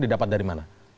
didapat dari mana